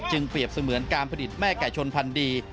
เปรียบเสมือนการผลิตแม่ไก่ชนพันธุ์ดี